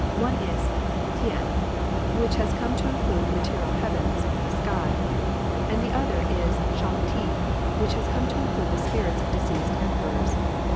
One is T'few, which 13 RELIGIONS OP ANCIENT CHINA has come to include the material heavens, the sky ; and the other is Slumg Ti, which has come to include the spirits of deceased Emperors.